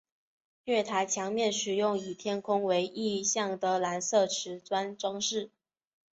月台墙面使用以天空为意象的蓝色磁砖装饰。